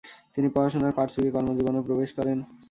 তিনি পড়াশোনার পাট চুকিয়ে কর্মজীবনে প্রবেশ করেন।